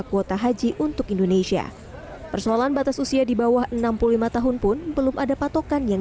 kuota haji untuk indonesia persoalan batas usia di bawah enam puluh lima tahun pun belum ada patokan yang